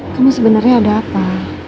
kamu sebenernya ada apa